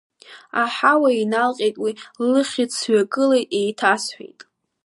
Аҳауа иналҟьеит уи лыхьыӡ, сҩагылеит, еиҭасҳәеит…